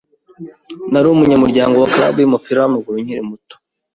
Nari umunyamuryango wa club yumupira wamaguru nkiri muto muto.